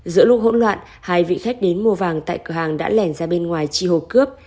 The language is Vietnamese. giữa lúc hỗn loạn hai vị khách đến mua vàng tại cửa hàng đã lẻn ra bên ngoài chi hồ cướp